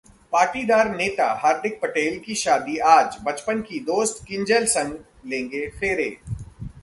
पाटीदार नेता हार्दिक पटेल की शादी आज, बचपन की दोस्त किंजल संग लेंगे फेरे